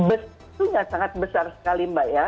itu nggak sangat besar sekali mbak ya